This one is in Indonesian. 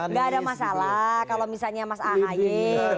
nggak ada masalah kalau misalnya mas ahy